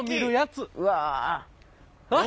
うわ。